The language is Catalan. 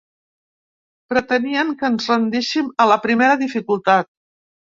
Pretenien que ens rendíssim a la primera dificultat.